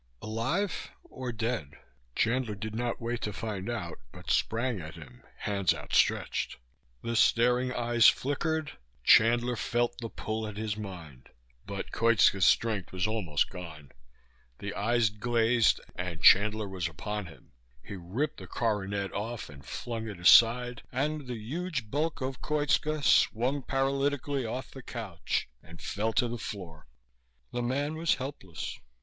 Alive or dead? Chandler did not wait to find out but sprang at him hands outstreched. The staring eyes flickered; Chandler felt the pull at his mind. But Koitska's strength was almost gone. The eyes glazed, and Chandler was upon him. He ripped the coronet off and flung it aside, and the huge bulk of Koitska swung paralytically off the couch and fell to the floor. The man was helpless.